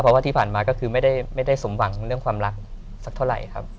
เพราะว่าที่ผ่านมาก็คือไม่ได้สมหวังเรื่องความรักสักเท่าไหร่ครับ